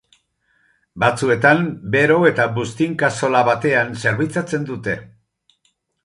Batzuetan, bero eta buztin-kazola batean zerbitzatzen dute.